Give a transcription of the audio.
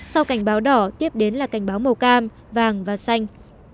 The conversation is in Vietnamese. sau cảnh báo đỏ tiếp đến là cảnh báo màu cam vàng và xanh